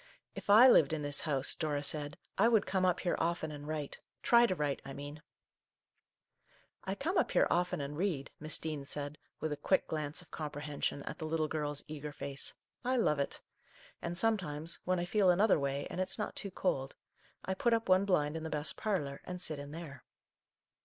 " If I lived in this house/' Dora said, " I would come up here often and write, — try to write, I mean !" "I come up here often and read," Miss Dean said, with a quick glance of comprehen sion at the little girl's eager face. " I love it ! And sometimes, when I feel another way and it's not too cold, I put up one blind in the best parlour, and sit in there."